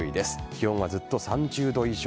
気温はずっと３０度以上。